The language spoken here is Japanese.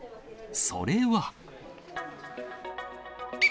それは。